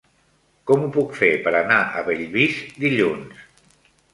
Com ho puc fer per anar a Bellvís dilluns?